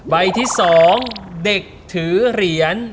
ใบที่๒เด็กถือเหรียญ